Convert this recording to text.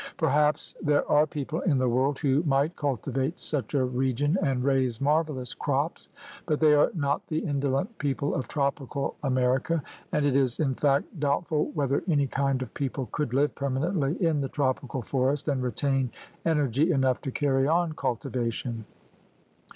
Per haps there are people in the world who might culti vate such a region and raise marvelous crops, but they are not the indolent people of tropical Amer THE GARMENT OF VEGETATION 105 ica; and it is in fact doubtful whether any kind of people could live permanently in the tropical forest and retain energy enough to carry on cultivation.